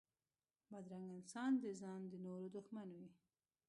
بدرنګه انسان د ځان و نورو دښمن وي